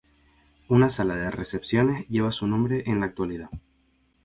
Una sala de recepciones lleva su nombre en la actualidad.